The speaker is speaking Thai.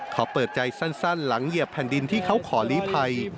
ขอเปิดใจสั้นหลังเหยียบแผ่นดินที่เขาขอลีภัย